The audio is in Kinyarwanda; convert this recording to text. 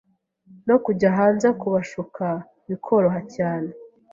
no kujya hanze kubashuka bikoroha cyane